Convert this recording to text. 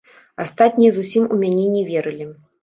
Астатнія зусім у мяне не верылі.